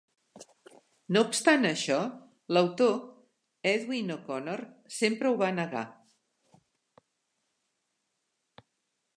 No obstant això, l'autor, Edwin O'Connor, sempre ho va negar.